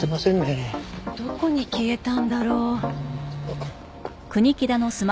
もうどこに消えたんだろう？あっ。